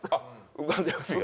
浮かんでますよ。